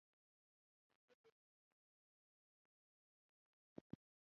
تنور د ښځو همت او زحمت استازی دی